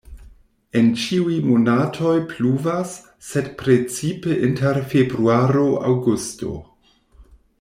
En ĉiuj monatoj pluvas, sed precipe inter februaro-aŭgusto.